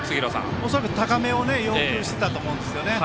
恐らく高めを要求してたと思うんですよね。